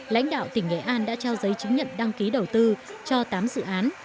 lãnh đạo tỉnh nghệ an đã trao giấy chứng nhận đăng ký đầu tư cho tám dự án